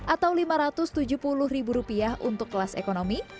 atau rp lima ratus tujuh puluh ribu rupiah untuk kelas ekonomi